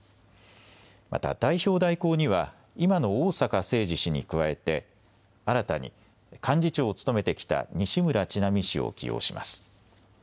また代表代行には、今の逢坂誠二氏に加えて、新たに幹事長を務めてきた西村智奈美氏を起用します。